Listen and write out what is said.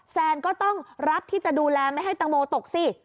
แซนก็ต้องรับที่จะดูแลไม่ให้ตังโมตกสิ